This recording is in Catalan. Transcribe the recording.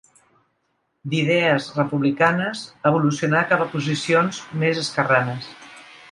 D'idees republicanes evolucionarà cap a posicions més esquerranes.